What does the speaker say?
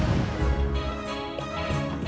tangan kiri kita tidak